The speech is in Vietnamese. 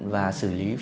và xử lý file